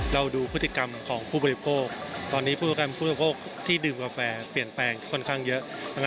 ดูพฤติกรรมของผู้บริโภคตอนนี้ผู้การผู้บริโภคที่ดื่มกาแฟเปลี่ยนแปลงค่อนข้างเยอะ